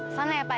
sana ya pak